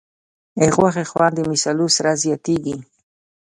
د غوښې خوند د مصالحو سره زیاتېږي.